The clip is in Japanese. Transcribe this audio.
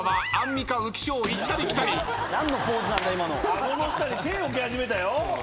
顎の下に手置き始めたよ。